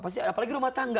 apalagi rumah tangga